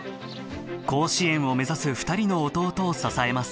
甲子園を目指す二人の弟を支えます